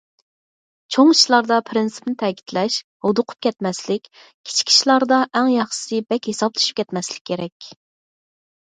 چوڭ ئىشلاردا پىرىنسىپنى تەكىتلەش، ھودۇقۇپ كەتمەسلىك، كىچىك ئىشلاردا ئەڭ ياخشىسى بەك ھېسابلىشىپ كەتمەسلىك كېرەك.